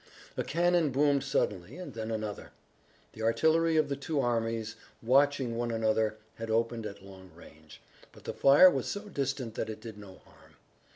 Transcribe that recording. A cannon boomed suddenly and then another. The artillery of the two armies watching one another had opened at long range, but the fire was so distant that it did no harm.